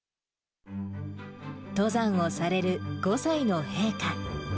登山をされる５歳の陛下。